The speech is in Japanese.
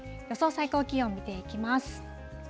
最高気温見ていきます。